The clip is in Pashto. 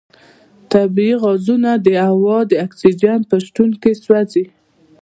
طبیعي غازونه د هوا د اکسیجن په شتون کې سوځي.